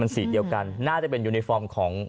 สีเดียวกันน่าจะเป็นยูนิฟอร์มของ